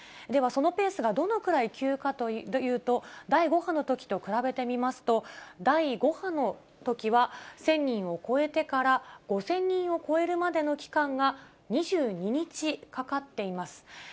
ではそのペースがどのくらい急かというと、第５波のときと比べてみますと、第５波のときは１０００人を超えてから５０００人を超えるまでの期間が２２日かかっています。